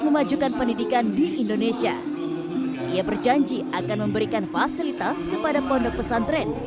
memajukan pendidikan di indonesia ia berjanji akan memberikan fasilitas kepada pondok pesantren